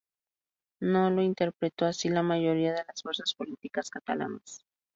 No lo interpretó así la mayoría de las fuerzas políticas catalanas.